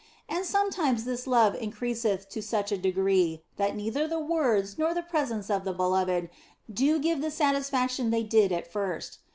And sometimes this love in creaseth to such a degree that neither the words nor the presence of the beloved do give the satisfaction they did at first.